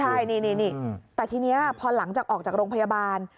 ใช่นี่แต่ทีนี้พอหลังจากออกจากโรงพยาบาล